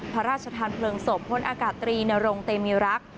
พระราชทานเพลิงศพพลอากาศตรีนรงเตมีรัก